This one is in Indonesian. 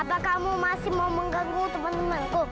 apakah kamu masih mau mengganggu teman temanku